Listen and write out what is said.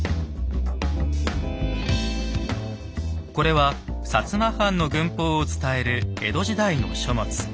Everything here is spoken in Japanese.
これは摩藩の軍法を伝える江戸時代の書物。